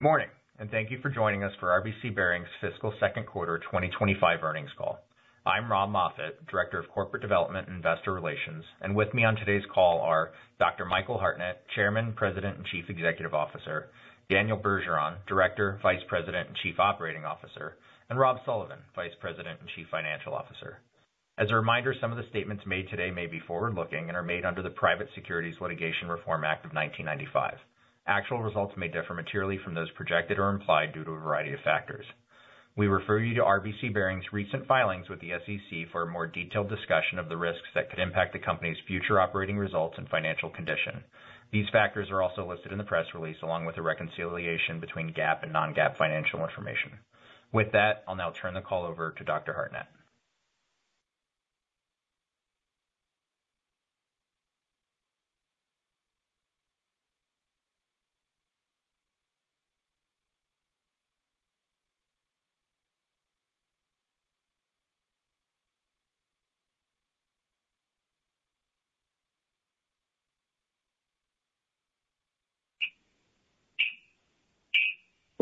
Good morning, and thank you for joining us for RBC Bearings' Fiscal Second Quarter 2025 Earnings Call. I'm Rob Moffatt, Director of Corporate Development and Investor Relations, and with me on today's call are Dr. Michael Hartnett, Chairman, President, and Chief Executive Officer, Daniel Bergeron, Director, Vice President, and Chief Operating Officer, and Rob Sullivan, Vice President and Chief Financial Officer. As a reminder, some of the statements made today may be forward-looking and are made under the Private Securities Litigation Reform Act of 1995. Actual results may differ materially from those projected or implied due to a variety of factors. We refer you to RBC Bearings' recent filings with the SEC for a more detailed discussion of the risks that could impact the company's future operating results and financial condition. These factors are also listed in the press release along with the reconciliation between GAAP and non-GAAP financial information. With that, I'll now turn the call over to Dr. Hartnett.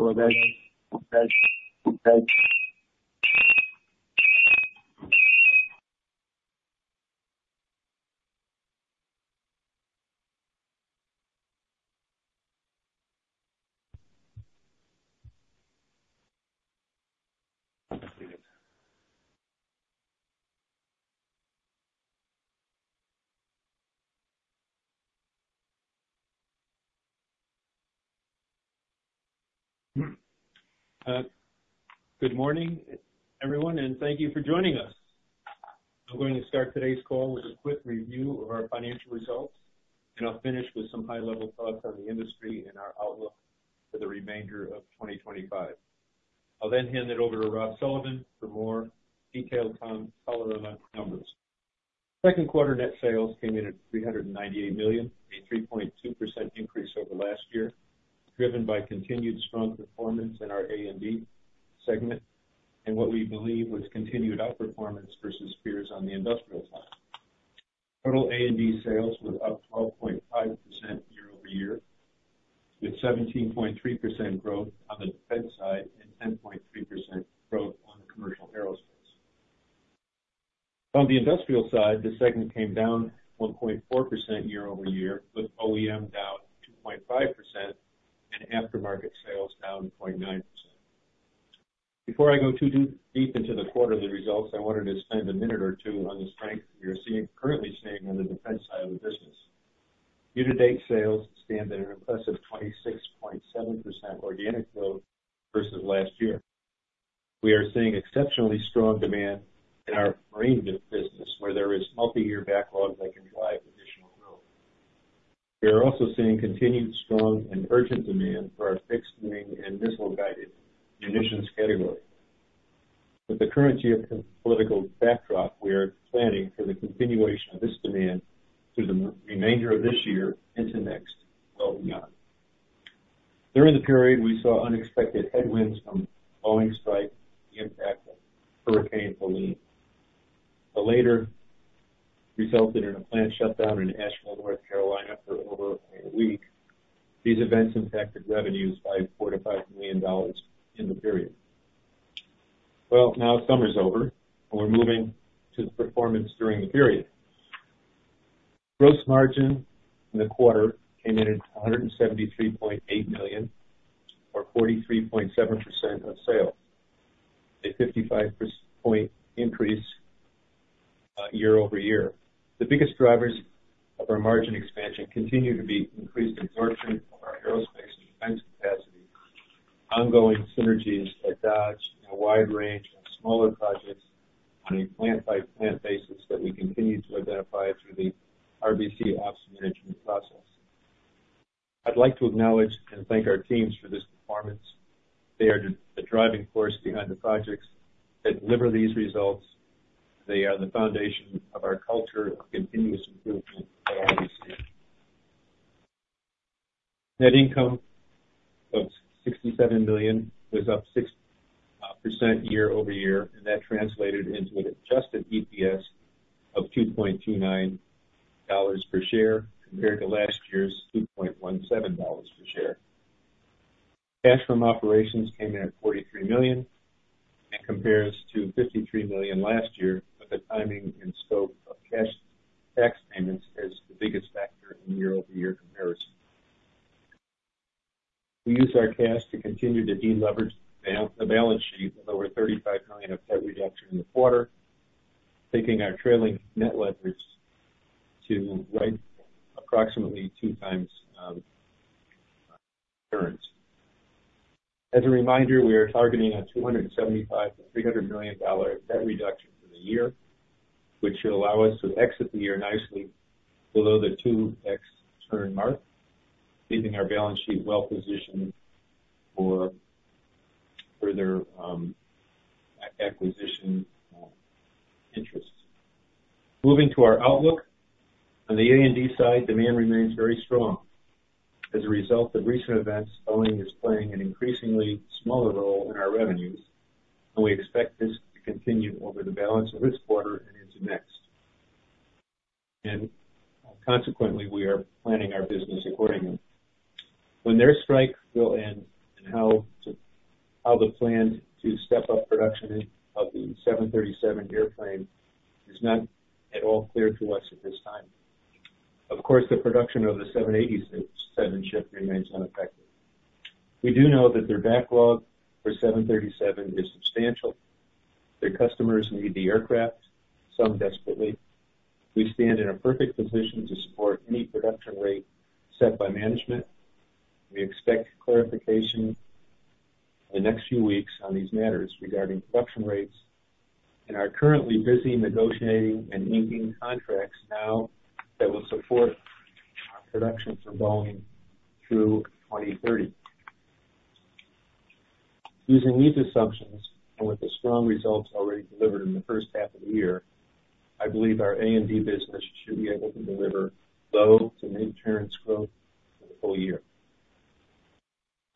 Hello, guys. Good morning, everyone, and thank you for joining us. I'm going to start today's call with a quick review of our financial results, and I'll finish with some high-level thoughts on the industry and our outlook for the remainder of 2025. I'll then hand it over to Rob Sullivan for more detailed color and numbers. Second quarter net sales came in at $398 million, a 3.2% increase over last year, driven by continued strong performance in our A&D segment and what we believe was continued outperformance versus peers on the industrial side. Total A&D sales were up 12.5% year-over-year, with 17.3% growth on the defense side and 10.3% growth on the commercial aerospace. On the industrial side, the segment came down 1.4% year-over-year, with OEM down 2.5% and aftermarket sales down 0.9%. Before I go too deep into the quarterly results, I wanted to spend a minute or two on the strength we are currently seeing on the defense side of the business. Year-to-date sales stand at an impressive 26.7% organic growth versus last year. We are seeing exceptionally strong demand in our marine business, where there is multi-year backlog that can drive additional growth. We are also seeing continued strong and urgent demand for our fixed-wing and missile, guided munitions category. With the current geopolitical backdrop, we are planning for the continuation of this demand through the remainder of this year into next well beyond. During the period, we saw unexpected headwinds from Boeing's strike and the impact of Hurricane Helene. The latter resulted in a plant shutdown in Asheville, North Carolina, for over a week. These events impacted revenues by $4-$5 million in the period. Now summer's over, and we're moving to the performance during the period. Gross margin in the quarter came in at $173.8 million, or 43.7% of sales, a 55-point increase year-over-year. The biggest drivers of our margin expansion continue to be increased exhaustion of our aerospace defense capacity, ongoing synergies at Dodge, and a wide range of smaller projects on a plant-by-plant basis that we continue to identify through the RBC Ops management process. I'd like to acknowledge and thank our teams for this performance. They are the driving force behind the projects that deliver these results. They are the foundation of our culture of continuous improvement at RBC. Net income of $67 million was up 6% year-over-year, and that translated into an adjusted EPS of $2.29 per share compared to last year's $2.17 per share. Cash from operations came in at $43 million and compares to $53 million last year, with a timing and scope of cash tax payments as the biggest factor in year-over-year comparison. We use our cash to continue to deleverage the balance sheet with over $35 million of debt reduction in the quarter, taking our trailing net leverage to right approximately two times current. As a reminder, we are targeting a $275-$300 million debt reduction for the year, which should allow us to exit the year nicely below the 2X turn mark, leaving our balance sheet well positioned for further acquisition interests. Moving to our outlook, on the A&D side, demand remains very strong. As a result of recent events, Boeing is playing an increasingly smaller role in our revenues, and we expect this to continue over the balance of this quarter and into next. And consequently, we are planning our business accordingly. When their strike will end and how they plan to step up production of the 737 airplane is not at all clear to us at this time. Of course, the production of the 787 ship remains unaffected. We do know that their backlog for 737 is substantial. Their customers need the aircraft, some desperately. We stand in a perfect position to support any production rate set by management. We expect clarification in the next few weeks on these matters regarding production rates and are currently busy negotiating and inking contracts now that will support production for Boeing through 2030. Using these assumptions and with the strong results already delivered in the first half of the year, I believe our A&D business should be able to deliver low- to mid-teens growth for the full year.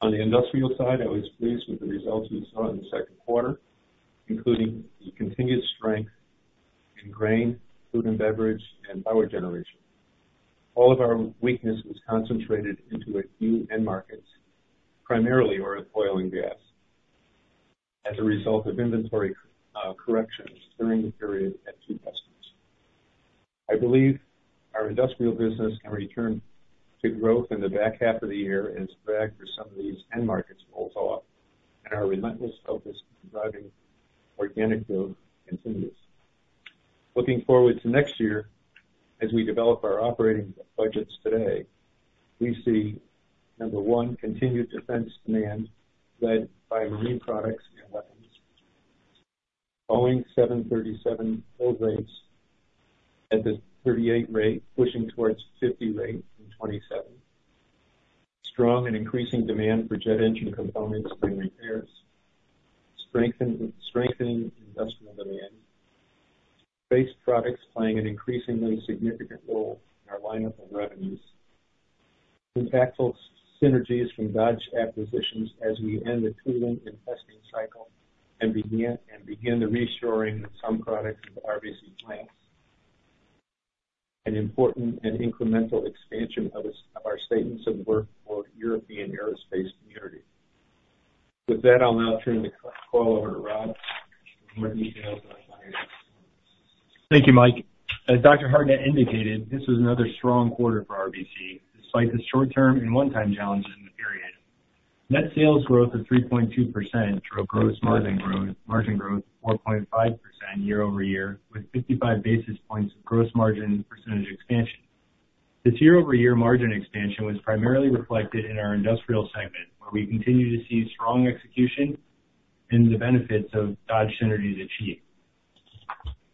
On the industrial side, I was pleased with the results we saw in the second quarter, including the continued strength in grain, food and beverage, and power generation. All of our weakness was concentrated into a few end markets, primarily oil and gas, as a result of inventory corrections during the period at two customers. I believe our industrial business can return to growth in the back half of the year and strive for some of these end markets to hold off, and our relentless focus on driving organic growth continues. Looking forward to next year, as we develop our operating budgets today, we see, number one, continued defense demand led by marine products and weapons, Boeing 737 build rates at the 38 rate, pushing towards 50 rate in 2027, strong and increasing demand for jet engine components and repairs, strengthening industrial demand, base products playing an increasingly significant role in our lineup of revenues, impactful synergies from Dodge acquisitions as we end the tooling and testing cycle and begin the reshoring of some products of the RBC plants, an important and incremental expansion of our statements of work for the European aerospace community. With that, I'll now turn the call over to Rob for more details on financial comments. Thank you, Mike. As Dr. Hartnett indicated, this was another strong quarter for RBC, despite the short-term and one-time challenges in the period. Net sales growth of 3.2% drove gross margin growth of 4.5% year-over-year, with 55 basis points of gross margin percentage expansion. This year-over-year margin expansion was primarily reflected in our industrial segment, where we continue to see strong execution and the benefits of Dodge synergies achieved.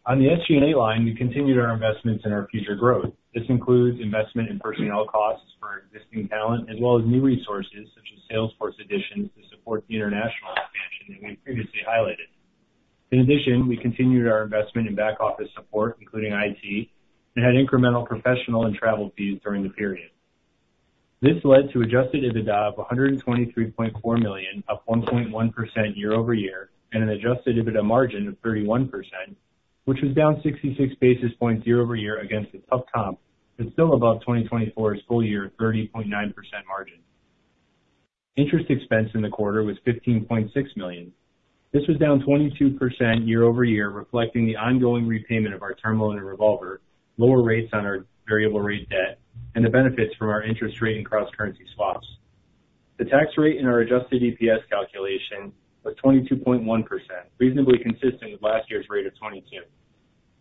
On the SG&A line, we continued our investments in our future growth. This includes investment in personnel costs for existing talent, as well as new resources such as Salesforce additions to support the international expansion that we previously highlighted. In addition, we continued our investment in back office support, including IT, and had incremental professional and travel fees during the period. This led to adjusted EBITDA of $123.4 million, up 1.1% year-over-year, and an adjusted EBITDA margin of 31%, which was down 66 basis points year-over-year against the tough comp, but still above 2024's full-year 30.9% margin. Interest expense in the quarter was $15.6 million. This was down 22% year-over-year, reflecting the ongoing repayment of our term loan revolver, lower rates on our variable-rate debt, and the benefits from our interest rate and cross-currency swaps. The tax rate in our adjusted EPS calculation was 22.1%, reasonably consistent with last year's rate of 22%.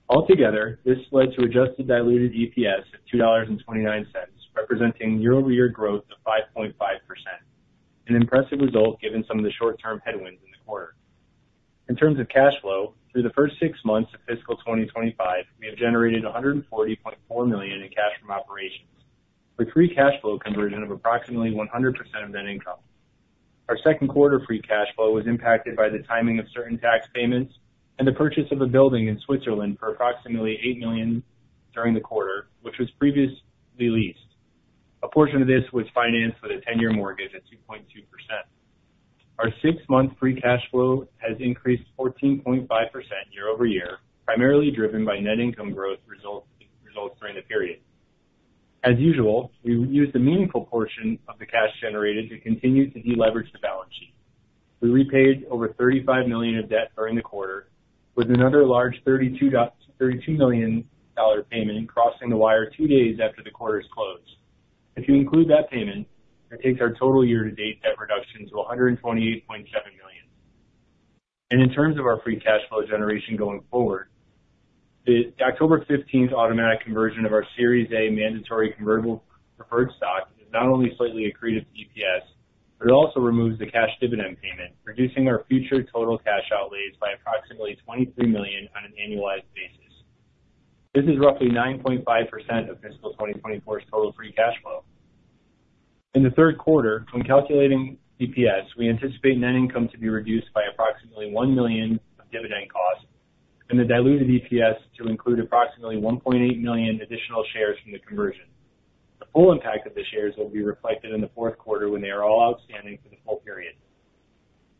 Altogether, this led to adjusted diluted EPS of $2.29, representing year-over-year growth of 5.5%, an impressive result given some of the short-term headwinds in the quarter. In terms of cash flow, through the first six months of fiscal 2025, we have generated $140.4 million in cash from operations, with free cash flow conversion of approximately 100% of net income. Our second quarter free cash flow was impacted by the timing of certain tax payments and the purchase of a building in Switzerland for approximately $8 million during the quarter, which was previously leased. A portion of this was financed with a 10-year mortgage at 2.2%. Our six-month free cash flow has increased 14.5% year-over-year, primarily driven by net income growth results during the period. As usual, we used a meaningful portion of the cash generated to continue to deleverage the balance sheet. We repaid over $35 million of debt during the quarter, with another large $32 million payment crossing the wire two days after the quarter's close. If you include that payment, that takes our total year-to-date debt reduction to $128.7 million. And in terms of our free cash flow generation going forward, the October 15 automatic conversion of our Series A Mandatory Convertible Preferred Stock has not only slightly accreted to EPS, but it also removes the cash dividend payment, reducing our future total cash outlays by approximately $23 million on an annualized basis. This is roughly 9.5% of fiscal 2024's total free cash flow. In the third quarter, when calculating EPS, we anticipate net income to be reduced by approximately $1 million of dividend costs and the diluted EPS to include approximately $1.8 million additional shares from the conversion. The full impact of the shares will be reflected in the fourth quarter when they are all outstanding for the full period.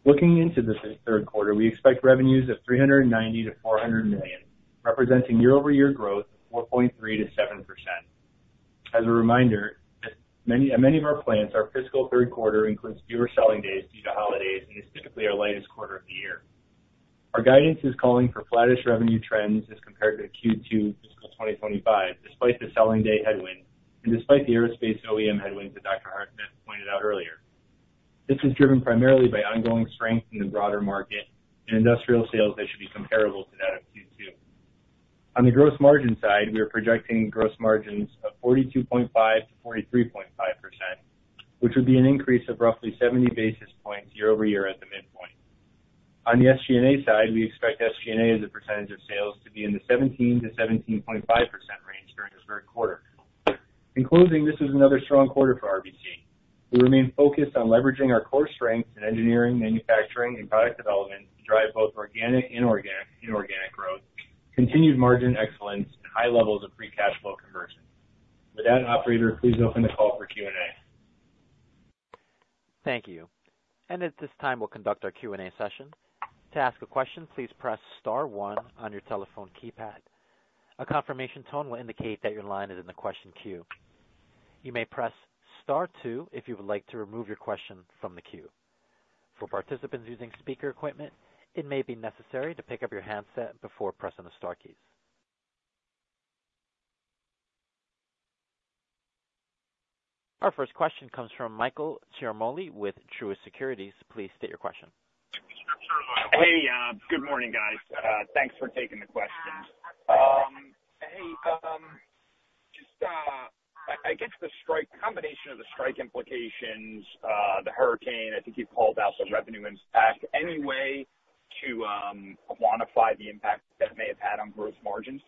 Looking into the third quarter, we expect revenues of $390-$400 million, representing year-over-year growth of 4.3%-7%. As a reminder, at many of our plants, our fiscal third quarter includes fewer selling days due to holidays and is typically our lightest quarter of the year. Our guidance is calling for flattish revenue trends as compared to Q2 fiscal 2025, despite the selling-day headwinds and despite the aerospace OEM headwinds that Dr. Hartnett pointed out earlier. This is driven primarily by ongoing strength in the broader market and industrial sales that should be comparable to that of Q2. On the gross margin side, we are projecting gross margins of 42.5%-43.5%, which would be an increase of roughly 70 basis points year-over-year at the midpoint. On the SG&A side, we expect SG&A as a percentage of sales to be in the 17%-17.5% range during the third quarter. In closing, this was another strong quarter for RBC. We remain focused on leveraging our core strengths in engineering, manufacturing, and product development to drive both organic and inorganic growth, continued margin excellence, and high levels of free cash flow conversion. With that, operator, please open the call for Q&A. Thank you, and at this time, we'll conduct our Q&A session. To ask a question, please press Star one on your telephone keypad. A confirmation tone will indicate that your line is in the question queue. You may press Star two if you would like to remove your question from the queue. For participants using speaker equipment, it may be necessary to pick up your handset before pressing the Star keys. Our first question comes from Michael Ciarmoli with Truist Securities. Please state your question. Hey, good morning, guys. Thanks for taking the question. Hey, just, I guess, the strike combination of the strike implications, the hurricane. I think you called out the revenue impact. Any way to quantify the impact that may have had on gross margins?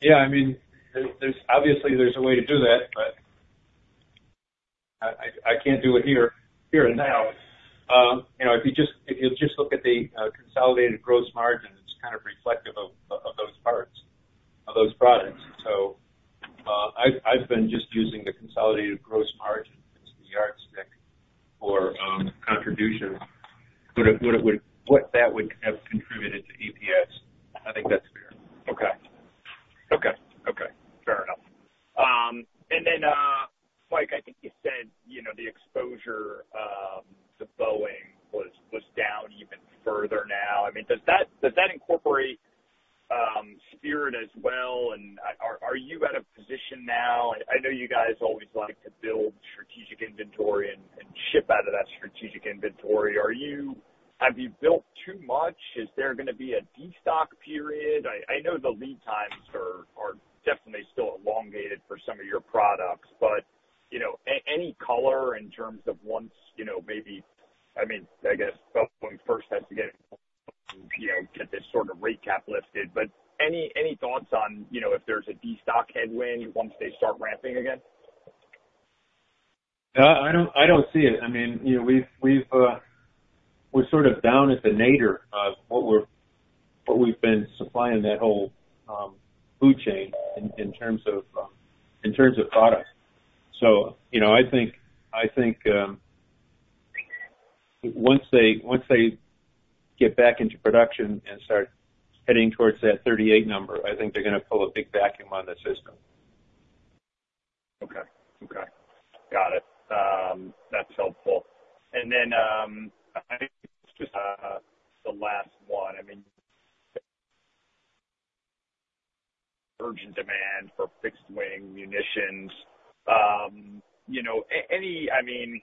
Yeah, I mean, it's obviously, there's a way to do that, but I can't do it here and now. If you just look at the consolidated gross margin, it's kind of reflective of those parts of those products. So I've I've been just using the consolidated gross margin against the yardstick for contribution, what that would have contributed to EPS. I think that's fair. Okay, okay, okay. Fair enough. And then, Mike, I think you said the exposure to Boeing was down even further now. I mean, does that incorporate Spirit as well? And are you at a position now? I know you guys always like to build strategic inventory and ship out of that strategic inventory. Are you, have you built too much? Is there going to be a destock period? I know the lead times are are definitely still elongated for some of your products, but any color in terms of once maybe. I mean, I guess Boeing first has to get this sort of rate cap lifted. But any thoughts on if there's a destock headwind once they start ramping again? I don't see it. I mean, we've we've, we're sort of down at the nadir of what we've been supplying that whole food chain in terms of, in terms of products. So you know I think, I think once they, once they get back into production and start heading towards that 38 number, I think they're going to pull a big vacuum on the system. Okay. Okay. Got it. That's helpful. And then I think just the last one. I mean, urgent demand for fixed-wing munitions. You know, I mean,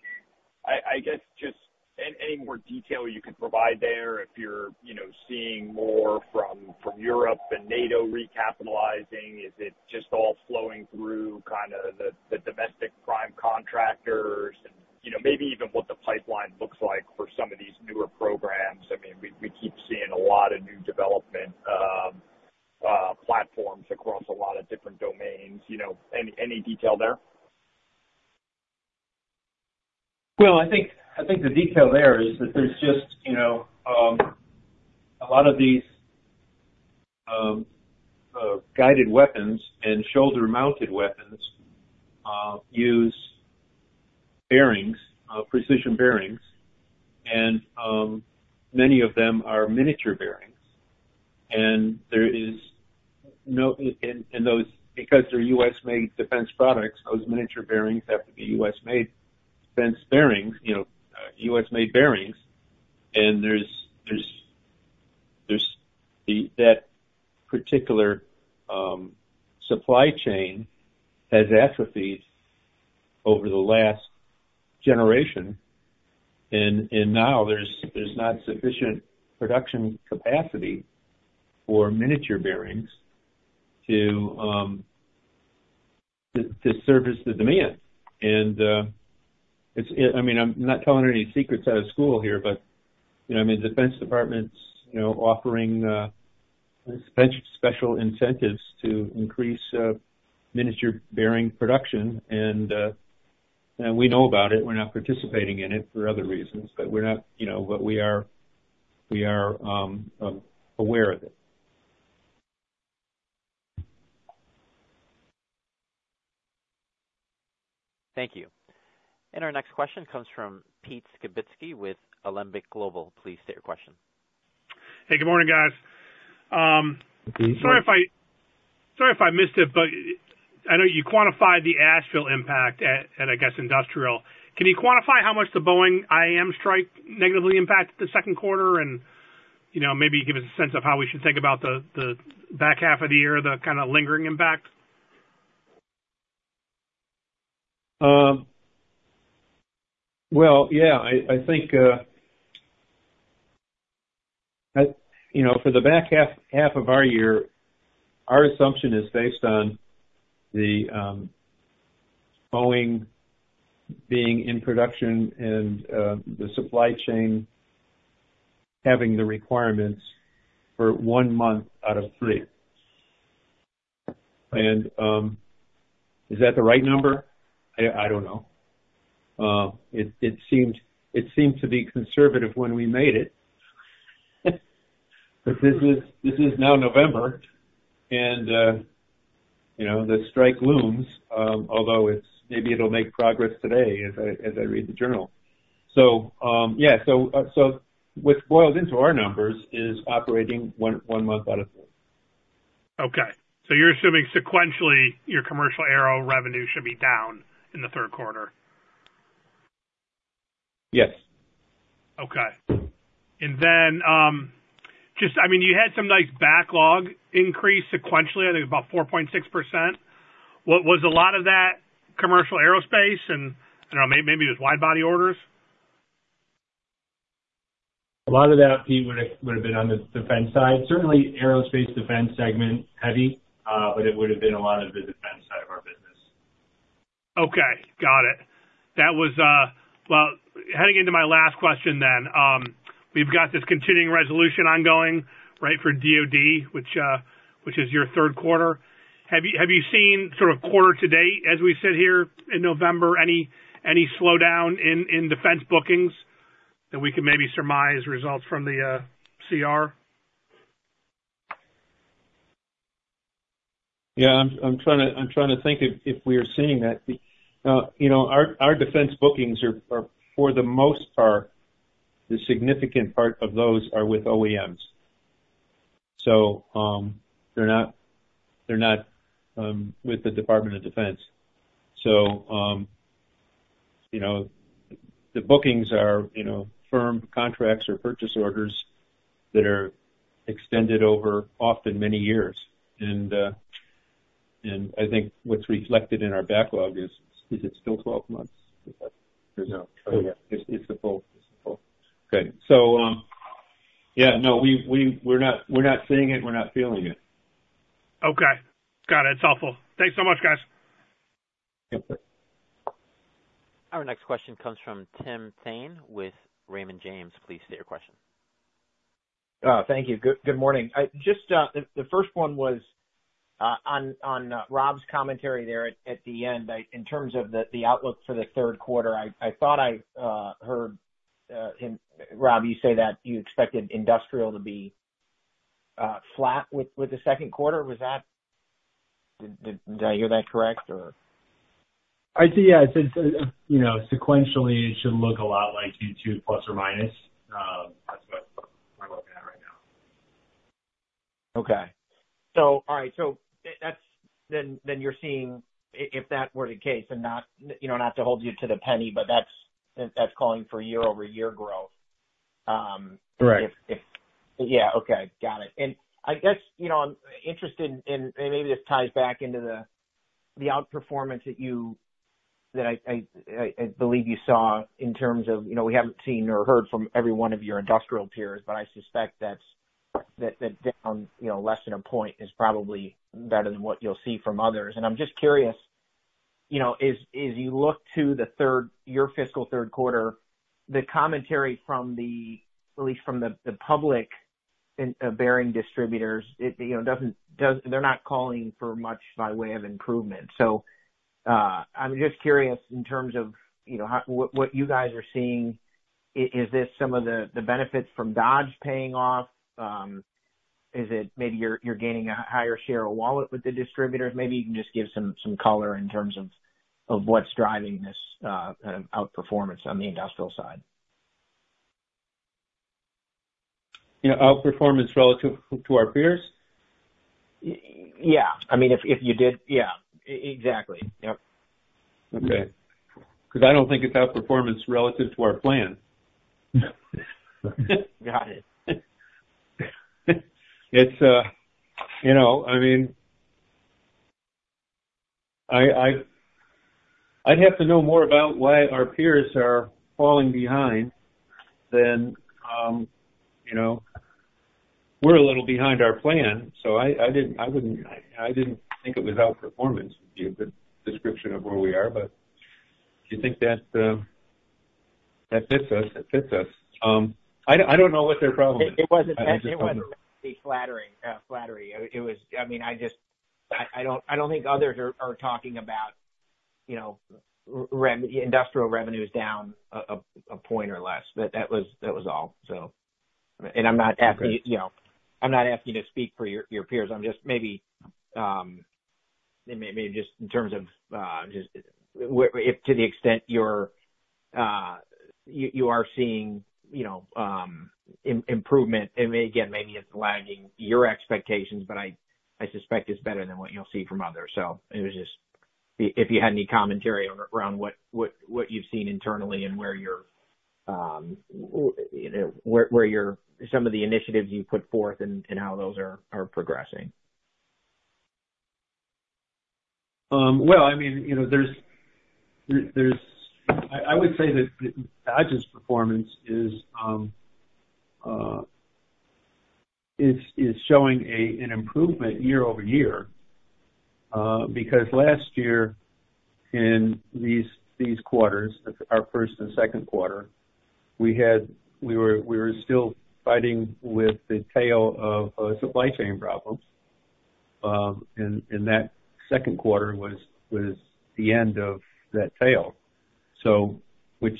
I guess just any more detail you could provide there if you're, you know, seeing more from Europe and NATO recapitalizing? Is it just all flowing through kind of the domestic prime contractors and maybe even what the pipeline looks like for some of these newer programs? I mean, we keep seeing a lot of new development platforms across a lot of different domains. You know, any detail there? You know, I think the detail there is that, you know, there's just a lot of these guided weapons and shoulder-mounted weapons use bearings, precision bearings, and many of them are miniature bearings. And because they're U.S.-made defense products, those miniature bearings have to be U.S.-made defense bearings, you know, U.S.-made bearings. And there's there's, that particular supply chain has atrophied over the last generation. And now there's not sufficient production capacity for miniature bearings to service the demand. And I mean, I'm not telling any secrets out of school here, but I mean, the Defense Department's offering special incentives to increase miniature bearing production. And we know about it. We're not participating in it for other reasons, but we're not, but we are we are aware of it. Thank you. And our next question comes from Pete Skibitski with Alembic Global. Please state your question. Hey, good morning, guys. Sorry if I missed it, but I know you quantified the Asheville impact at, I guess, industrial. Can you quantify how much the Boeing IAM strike negatively impacted the second quarter and, you know, maybe give us a sense of how we should think about the back half of the year, the kind of lingering impact? Well yeah, I think, you know, for the back half of our year, our assumption is based on the Boeing being in production and the supply chain having the requirements for one month out of three. And, is that the right number? I don't know. It seemed, it seemed to be conservative when we made it. This is, this is now November, and the strike looms, although maybe it'll make progress today as I read the journal. Yeah, what's boiled into our numbers is operating one month out of three. Okay. So you're assuming sequentially your commercial aero revenue should be down in the third quarter? Yes. Okay. And then, just, I mean, you had some nice backlog increase sequentially, I think about 4.6%. Was a lot of that commercial aerospace? And I don't know, maybe it was wide-body orders? A lot of that would have been on the defense side. Certainly, aerospace defense segment heavy, but it would have been a lot of the defense side of our business. Okay. Got it. Well, heading into my last question then, we've got this continuing resolution ongoing, right, for DOD, which is your third quarter. Have you seen sort of quarter-to-date as we sit here in November, any slowdown in in defense bookings that we can maybe surmise results from the CR? Yeah. I'm trying to think if we are seeing that. You know, our defense bookings are, for the most part, the significant part of those are with OEMs. So they're not, they're not with the Department of Defense. So you know, the bookings are, you know, firm contracts or purchase orders that are extended over often many years. And and I think what's reflected in our backlog is it's still 12 months. It's a full. Okay. So yeah, no, we're we're we're not seeing it. We're not feeling it. Okay. Got it. It's helpful. Thanks so much, guys. Yep. Our next question comes from Tim Thein with Raymond James. Please state your question. Thank you. Good morning. Just the first one was on on Rob's commentary there at the end, in terms of the outlook for the third quarter. I thought I heard Rob, you say that you expected industrial to be flat with the second quarter. Did I hear that correct, or? I think yeah. Sequentially, it should look a lot like Q2 plus or minus. That's what we're looking at right now. Okay. So all right. So then then you're seeing if that were the case, and not to hold you to the penny, but that's calling for year-over-year growth. Correct. Yeah. Okay. Got it. And I guess I'm interested in, and maybe this ties back into the outperformance that I believe you saw in terms of we haven't seen or heard from every one of your industrial peers, but I suspect that down less than a point is probably better than what you'll see from others. And I'm just curious, you know, as you look to your fiscal third quarter, the commentary from the, at least from the public bearing distributors, they're not calling for much by way of improvement. So I'm just curious in terms of what you guys are seeing. Is this some of the benefits from Dodge paying off? Is it maybe you're gaining a higher share of wallet with the distributors? Maybe you can just give some color in terms of what's driving this outperformance on the industrial side. Outperformance relative to our peers? Yeah. I mean, if you did, yeah. Exactly. Yep. Okay. Because I don't think it's outperformance relative to our plan. Got it. You know, I mean, I'd have to know more about why our peers are falling behind than, you know, we're a little behind our plan. So, I didn't think it was outperformance would be a good description of where we are, but I think that fits us. It fits us. I don't know what their problem is. It wasn't necessarily flattering. I mean, I don't think others are talking about, you know, industrial revenues down a point or less. That was all, so. And I'm not, you know, asking to speak for your peers. I'm just maybe just in terms of to the extent you're, you are seeing, you know, improvement. And again, maybe it's lagging your expectations, but I suspect it's better than what you'll see from others. So it was just if you had any commentary around with what you've seen internally and where you're some of the initiatives you put forth and how those are progressing. Well I mean, you know there's, there's, I would say that Dodge's performance is showing an improvement year over year because last year in these quarters, our first and second quarter, we were still fighting with the tail of supply chain problems. And that second quarter was the end of that tail, so which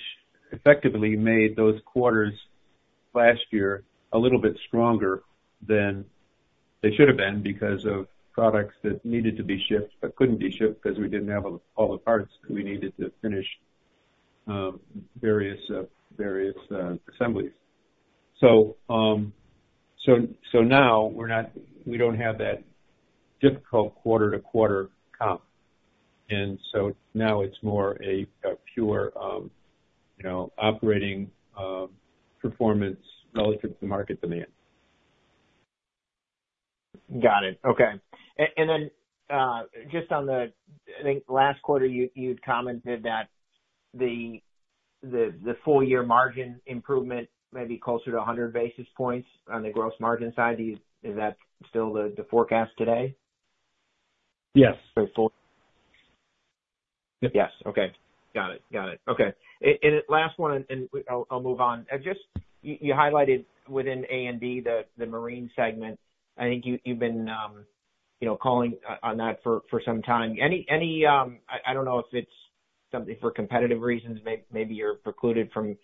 effectively made those quarters last year a little bit stronger than they should have been because of products that needed to be shipped but couldn't be shipped because we didn't have all the parts that we needed to finish various various assemblies. So so now we don't have that difficult quarter-to-quarter comp. And so now it's more a pure operating performance relative to market demand. Got it. Okay. And then just on the last quarter, you'd commented that the full-year margin improvement may be closer to 100 basis points on the gross margin side. Is that still the forecast today? Yes. Yes. Okay. Got it. Okay. And last one, and I'll move on. You highlighted within A&D the marine segment. I think you've been calling on that for some time. I don't know if it's something for competitive reasons. Maybe you're precluded from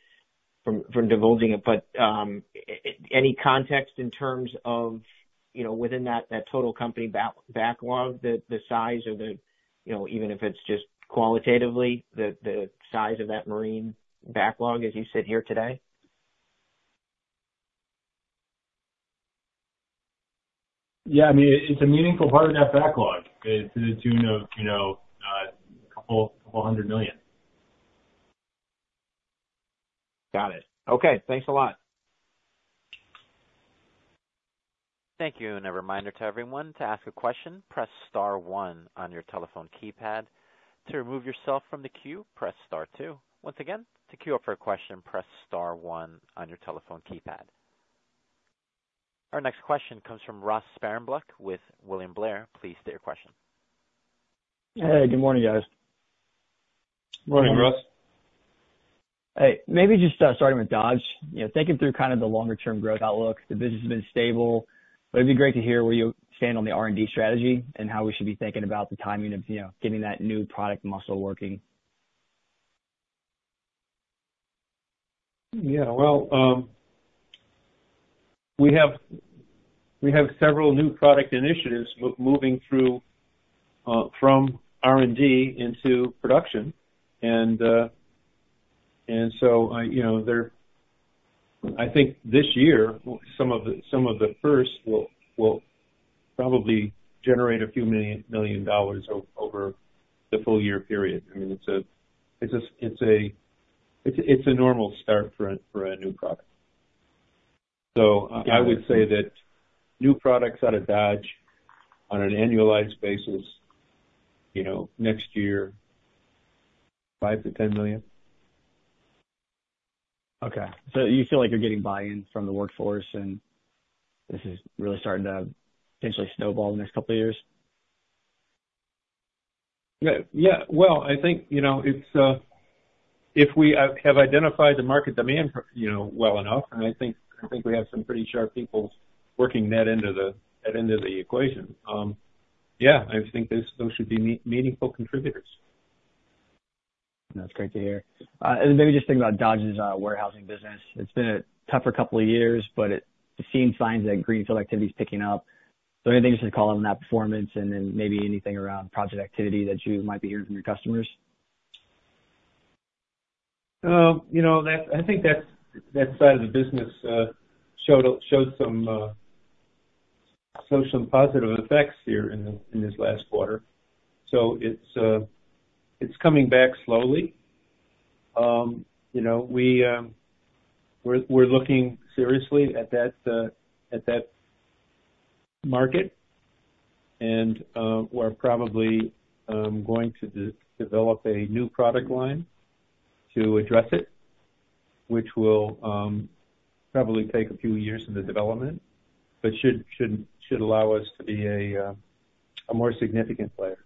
divulging it, but any context in terms of, you know, within that total company backlog, the size of the, you know, even if it's just qualitatively, the the size of that marine backlog as you sit here today? Yeah. I mean, it's a meaningful part of that backlog to the tune of, you know, $200 million. Got it. Okay. Thanks a lot. Thank you, and a reminder to everyone to ask a question, press Star one on your telephone keypad. To remove yourself from the queue, press Star two. Once again, to queue up for a question, press Star one on your telephone keypad. Our next question comes from Ross Sparenblek with William Blair. Please state your question. Hey. Good morning, guys. Morning, Ross. Hey. Maybe just starting with Dodge, thinking through kind of the longer-term growth outlook. The business has been stable. It'd be great to hear where you stand on the R&D strategy and how we should be thinking about the timing of getting that new product muscle working. Yeah. Well, we have several new product initiatives moving through from R&D into production. And, and so, you know, I think this year, some of the first will probably generate a few million dollars over the full-year period. I mean, it's a normal start for a new product. So I would say that new products out of Dodge on an annualized basis, you know, next year, $5-10 million. Okay, so you feel like you're getting buy-in from the workforce, and this is really starting to potentially snowball in the next couple of years? Yeah. Well, I think, you know, if we have identified the market demand well enough, and I think we have some pretty sharp people working that end of, that end of the equation, yeah, I think those should be meaningful contributors. That's great to hear and maybe just think about Dodge's warehousing business. It's been a tougher couple of years, but it's seen signs that greenfield activity is picking up, so anything you should call on that performance and then maybe anything around project activity that you might be hearing from your customers? You know, I think that that side of the business showed some, showed some positive effects here in this last quarter. So it's it's coming back slowly. You know, we're looking seriously at that at that market and are probably going to develop a new product line to address it, which will probably take a few years in the development, but should should allow us to be a more significant player.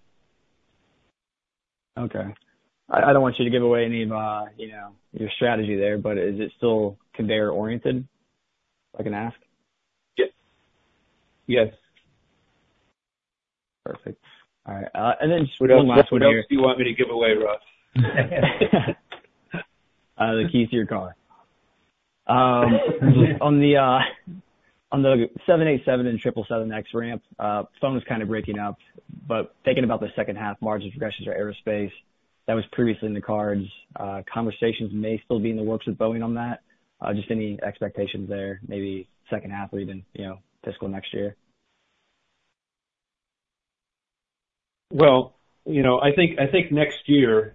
Okay. I don't want you to give away any of your strategy there, but is it still conveyor-oriented? I can ask? Yes. Perfect. All right, and then just one last one here. What else do you want me to give away, Ross? The keys to your car. On the 787 and 777X ramp, phone was kind of breaking up, but thinking about the second half margin progression for aerospace, that was previously in the cards. Conversations may still be in the works with Boeing on that. Just any expectations there, maybe second half or even fiscal next year? Well you know, I think, I think next year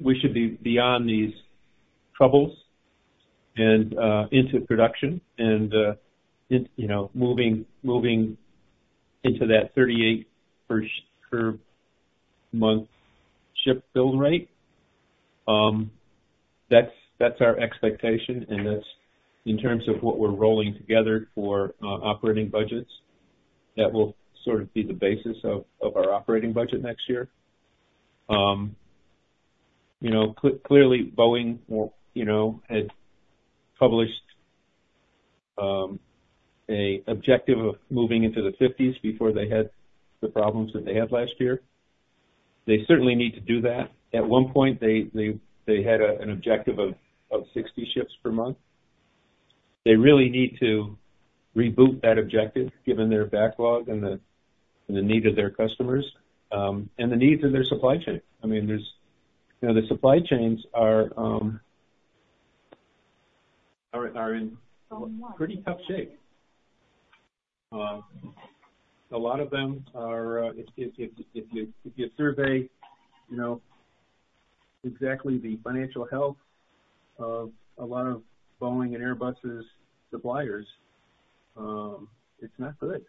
we should be beyond these troubles and into production and moving moving into that 38 per month ship build rate. That's our expectation. And that's in terms of what we're rolling together for operating budgets that will sort of be the basis of our operating budget next year. You know clearly, Boeing, you know, had published an objective of moving into the 50s before they had the problems that they had last year. They certainly need to do that. At one point, they they had an objective of 60 ships per month. They really need to reboot that objective given their backlog and the need of their customers and the needs of their supply chain. I mean, the supply chains are are in pretty tough shape. A lot of them are, if you survey exactly the financial health of a lot of Boeing and Airbus's suppliers, it's not good.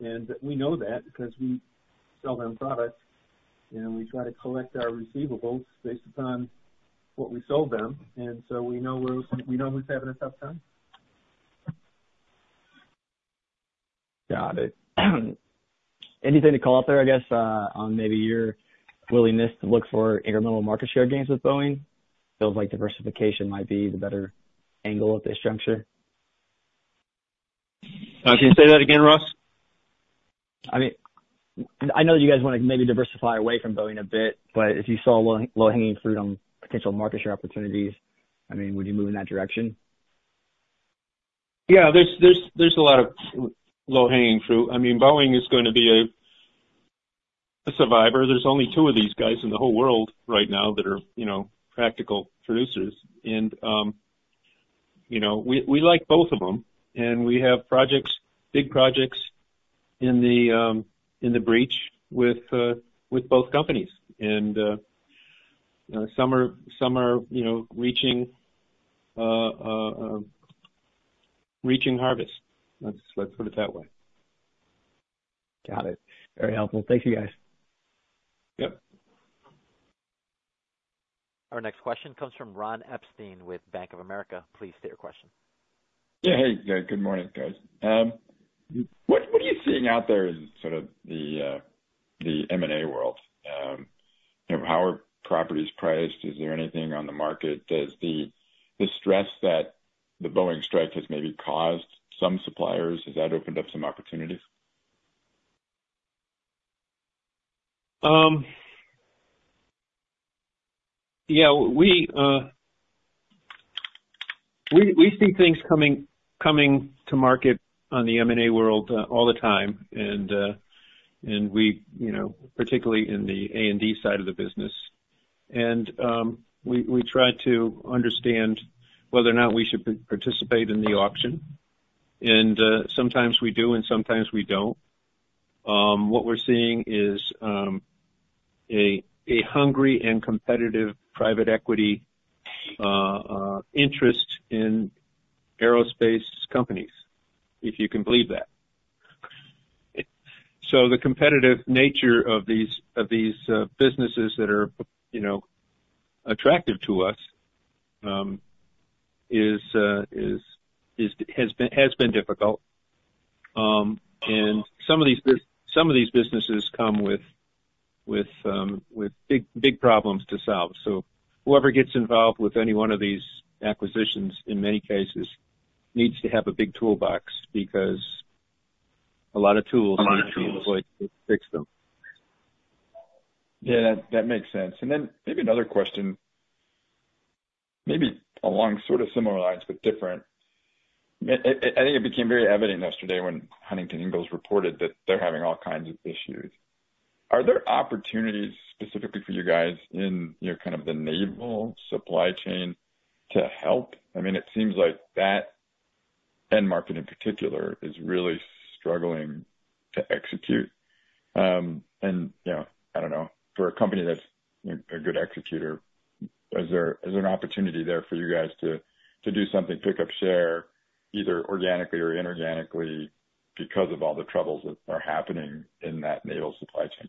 And we know that because we sell them products, and we try to collect our receivables based upon what we sold them. So we know who's having a tough time. Got it. Anything to call out there, I guess, on maybe your willingness to look for incremental market share gains with Boeing? Feels like diversification might be the better angle at this juncture. Can you say that again, Ross? I mean, I know that you guys want to maybe diversify away from Boeing a bit, but if you saw low-hanging fruit on potential market share opportunities, I mean, would you move in that direction? Yeah. There's there's there's a lot of low-hanging fruit. I mean, Boeing is going to be a survivor. There's only two of these guys in the whole world right now that are, you know, practical producers. And you know, we like both of them. And we have projects, big projects in the breach with both companies. And some are, some are, yo know, reaching harvest. Let's put it that way. Got it. Very helpful. Thank you, guys. Yep. Our next question comes from Ron Epstein with Bank of America. Please state your question. Yeah. Hey, good morning, guys. What are you seeing out there in sort of the M&A world? How are properties priced? Is there anything on the market? Does the stress that the Boeing strike has maybe caused some suppliers, has that opened up some opportunities? Yeah. We see things coming to market on the M&A world all the time, and particularly in the A&D side of the business. And we try to understand whether or not we should participate in the auction. And sometimes we do, and sometimes we don't. What we're seeing is a hungry and competitive private equity interest in aerospace companies, if you can believe that. So the competitive nature of these of these businesses that are, you know, attractive to us it has been difficult. And some of these, some of these businesses come with with big problems to solve. So whoever gets involved with any one of these acquisitions, in many cases, needs to have a big toolbox because a lot of tools need to be deployed to fix them. Yeah. That makes sense. And then maybe another question, maybe along sort of similar lines but different. I think it became very evident yesterday when Huntington Ingalls reported that they're having all kinds of issues. Are there opportunities specifically for you guys in kind of the naval supply chain to help? I mean, it seems like that end market in particular is really struggling to execute. And I don't know, for a company that's a good executor, is there an opportunity there for you guys to do something, pick up share either organically or inorganically because of all the troubles that are happening in that naval supply chain?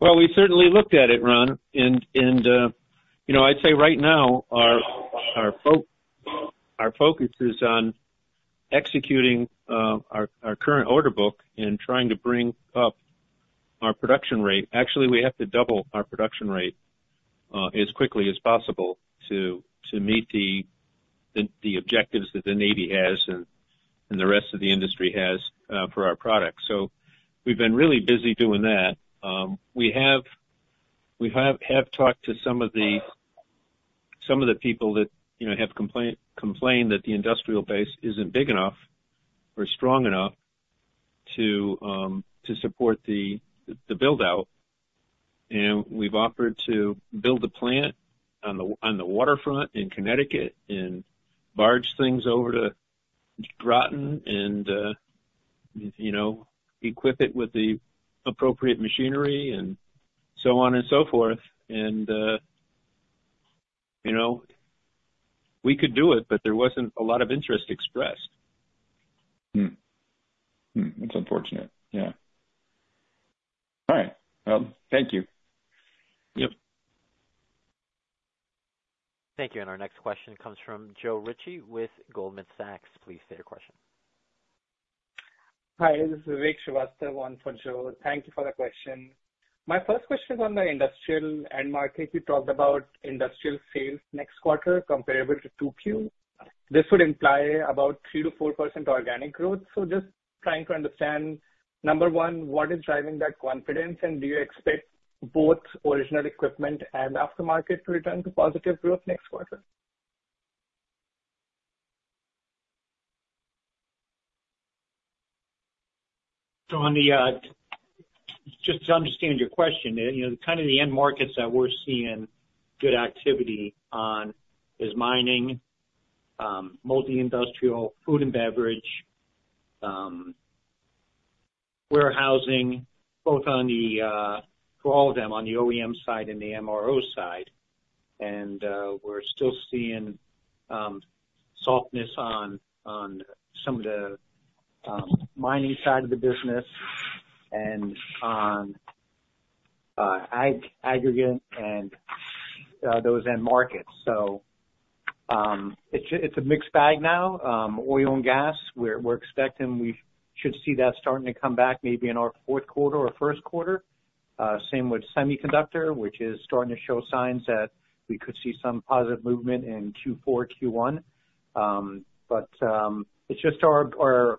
Well we certainly looked at it, Ron. I'd say right now our focus is on executing our current order book and trying to bring up our production rate. Actually, we have to double our production rate as quickly as possible to to meet the objectives that the Navy has and the rest of the industry has for our products. So we've been really busy doing that. We have talked to some of the people that have complained that the industrial base isn't big enough or strong enough to support the build-out. And we've offered to build a plant on the waterfront in Connecticut and barge things over to Groton and, you know, equip it with the appropriate machinery and so on and so forth. You know, we could do it, but there wasn't a lot of interest expressed. That's unfortunate. Yeah. All right. Well, thank you. Yep. Thank you. And our next question comes from Joe Ritchie with Goldman Sachs. Please state your question. Hi. This is Vivek Srivastava calling for Joe. Thank you for the question. My first question is on the industrial end market. You talked about industrial sales next quarter comparable to 2Q. This would imply about 3%-4% organic growth. So just trying to understand, number one, what is driving that confidence? And do you expect both original equipment and aftermarket to return to positive growth next quarter? So just to understand your question, kind of the end markets that we're seeing good activity on is mining, multi-industrial, food and beverage, warehousing, both for all of them on the OEM side and the MRO side. And we're still seeing softness on on some of the mining side of the business and on aggregate and those end markets. So it's a mixed bag now. Oil and gas, we're expecting we should see that starting to come back maybe in our fourth quarter or first quarter. Same with semiconductor, which is starting to show signs that we could see some positive movement in Q4, Q1. But it's just our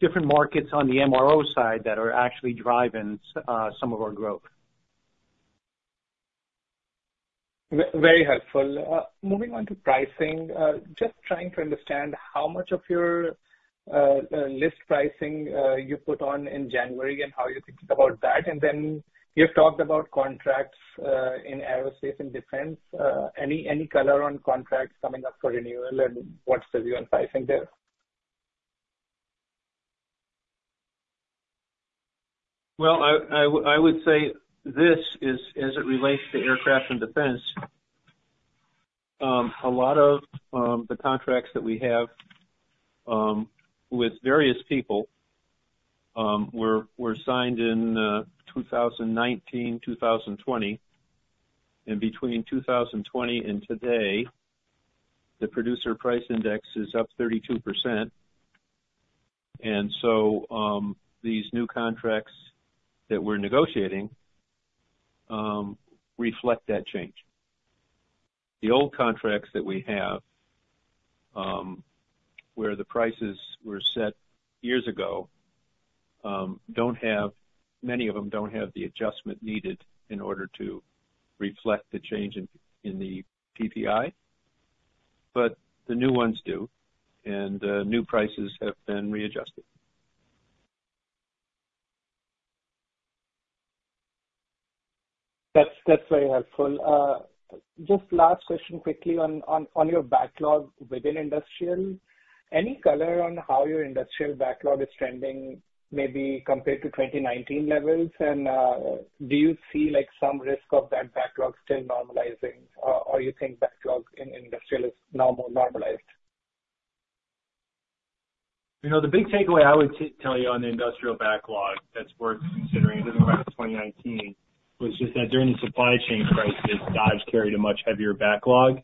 different markets on the MRO side that are actually driving some of our growth. Very helpful. Moving on to pricing, just trying to understand how much of your list pricing you put on in January and how you're thinking about that. And then you've talked about contracts in aerospace and defense. Any color on contracts coming up for renewal, and what's the view on pricing there? Well I would say this as it relates to aircraft and defense, a lot of the contracts that we have with various people were were signed in 2019, 2020, and between 2020 and today, the Producer Price Index is up 32%, and so these new contracts that we're negotiating reflect that change. The old contracts that we have where the prices were set years ago, don't have, many of them don't have the adjustment needed in order to reflect the change in the PPI, but the new ones do, and new prices have been readjusted. That's very helpful. Just last question quickly on your backlog within industrial. Any color on how your industrial backlog is trending maybe compared to 2019 levels? And do you see some risk of that backlog still normalizing, or do you think backlog in industrial is now more normalized? You know, the big takeaway I would tell you on the industrial backlog that's worth considering in regard to 2019 was just that during the supply chain crisis, Dodge carried a much heavier backlog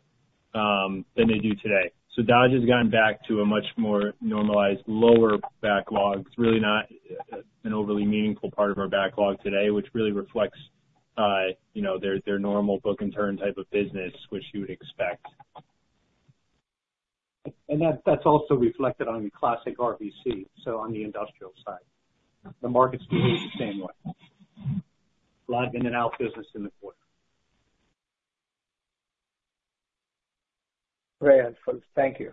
than they do today, so Dodge has gone back to a much more normalized, lower backlog. It's really not an overly meaningful part of our backlog today, which really reflects their normal book and turn type of business, which you would expect, and that's also reflected on the classic RBC, so on the industrial side. The market's behaving the same way. A lot of in-and-out business in the quarter. Very helpful. Thank you.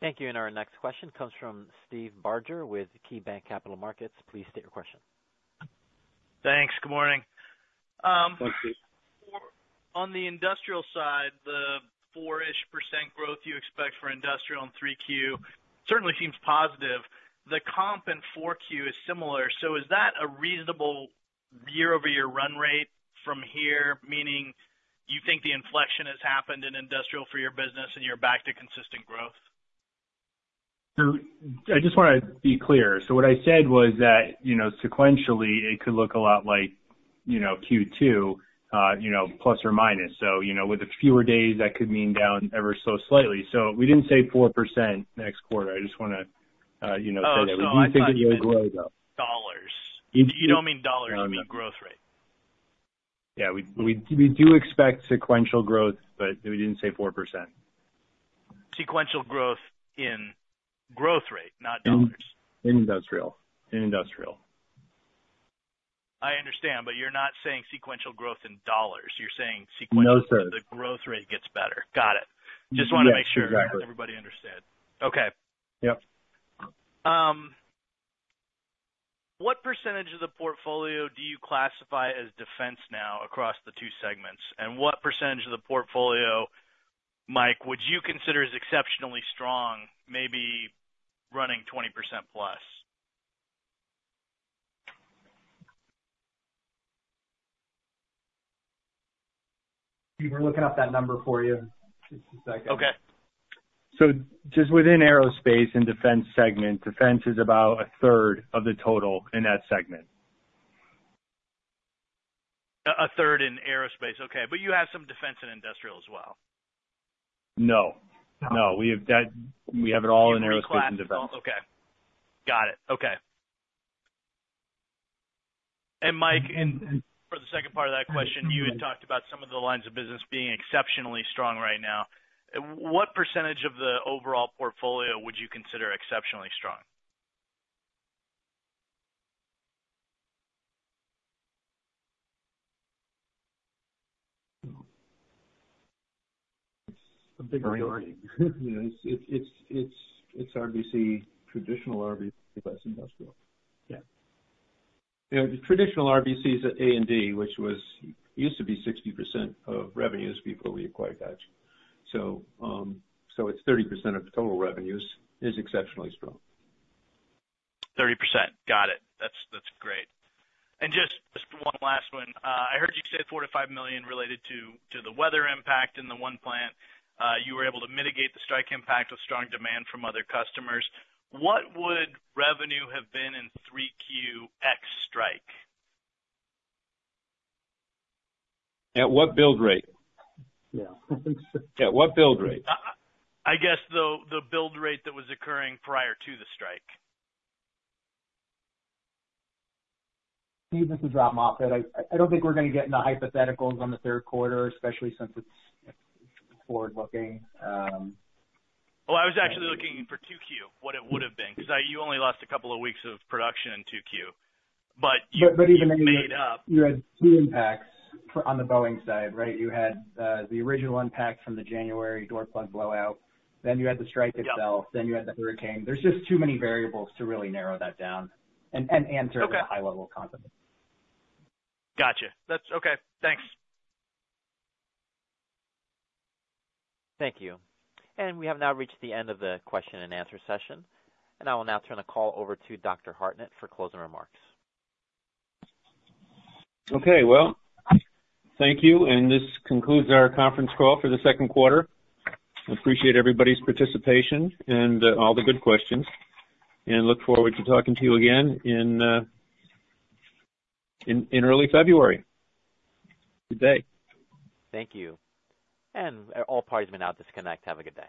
Thank you. And our next question comes from Steve Barger with KeyBanc Capital Markets. Please state your question. Thanks. Good morning. On the industrial side, the 4-ish% growth you expect for industrial in 3Q certainly seems positive. The comp in 4Q is similar. So is that a reasonable year-over-year run rate from here, meaning you think the inflection has happened in industrial for your business and you're back to consistent growth? So I just want to be clear. So what I said was that sequentially, it could look a lot like Q2 plus or minus. So with a fewer days, that could mean down ever so slightly. So we didn't say 4% next quarter. I just want to say that we do think it will grow, though. Dollars. You don't mean dollars. You mean growth rate. Yeah. We do expect sequential growth, but we didn't say 4%. Sequential growth in growth rate, not dollars. In industrial. In industrial. I understand, but you're not saying sequential growth in dollars. You're saying sequential as the growth rate gets better. No, sir. Got it. Just wanted to make sure everybody understood. Okay. Yep. What percentage of the portfolio do you classify as defense now across the two segments? And what percentage of the portfolio, Mike, would you consider as exceptionally strong, maybe running 20% plus? We were looking up that number for you just a second. Okay. Just within aerospace and defense segment, defense is about a third of the total in that segment. A third in aerospace. Okay. But you have some defense and industrial as well? No. No. We have it all in aerospace and defense. Defense is all? Okay. Got it. Okay. And Mike, for the second part of that question, you had talked about some of the lines of business being exceptionally strong right now. What percentage of the overall portfolio would you consider exceptionally strong? It's a big majority. It's it's it's RBC, traditional RBC plus industrial. Yeah. Traditional RBC is A&D, which was used to be 60% of revenues before we acquired Dodge. So it's 30% of total revenues is exceptionally strong. 30%. Got it. That's great. And just one last one. I heard you say $4 million-$5 million related to the weather impact in the one plant. You were able to mitigate the strike impact with strong demand from other customers. What would revenue have been in 3Q's strike? At what build rate? Yeah. At what build rate? I guess the build rate that was occurring prior to the strike. Steve, this is Rob Moffatt. I don't think we're going to get into hypotheticals on the third quarter, especially since it's forward-looking. I was actually looking for 2Q, what it would have been, because you only lost a couple of weeks of production in 2Q. But you made up. But even then, you had two impacts on the Boeing side, right? You had the original impact from the January door plug blowout. Then you had the strike itself. Then you had the hurricane. There's just too many variables to really narrow that down and answer at a high-level concept. Gotcha. That's okay. Thanks. Thank you. And we have now reached the end of the question and answer session. And I will now turn the call over to Dr. Hartnett for closing remarks. Okay. Well, thank you. And this concludes our conference call for the second quarter. I appreciate everybody's participation and all the good questions. And look forward to talking to you again in in early February. Good day. Thank you. And all parties may now disconnect. Have a good day.